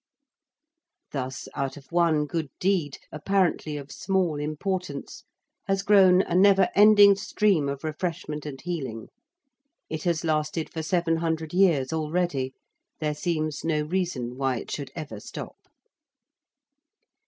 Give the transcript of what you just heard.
Thus out of one good deed, apparently of small importance, has grown a never ending stream of refreshment and healing. It has lasted for 700 years already: there seems no reason why it should ever stop.